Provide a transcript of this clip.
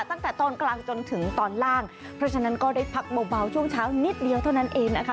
ตั้งแต่ตอนกลางจนถึงตอนล่างเพราะฉะนั้นก็ได้พักเบาช่วงเช้านิดเดียวเท่านั้นเองนะคะ